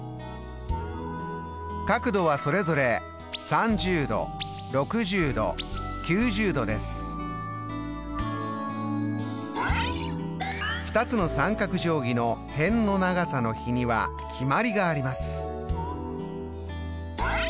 角度はそれぞれ２つの三角定規の辺の長さの比には決まりがあります。